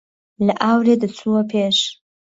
له ئاورێ دهچووه پێش